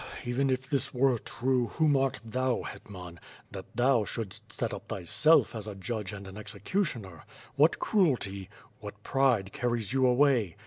even if this were true, whom art thou, Hetman, that thou shouldst set up thyself as a judge and an executioner? What cruelty, what pride carries you away?